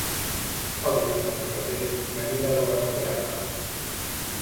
El vint-i-nou de febrer na Nina vol anar al teatre.